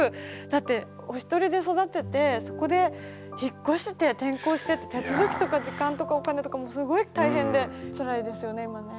だってお一人で育ててそこで引っ越して転校してって手続きとか時間とかお金とかもうすごい大変でつらいですよね